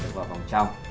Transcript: đã vào vòng trong